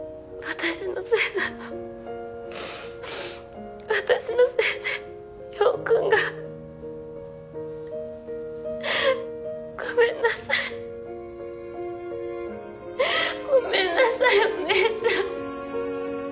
私のせいで陽君が。ごめんなさいごめんなさいお姉ちゃん！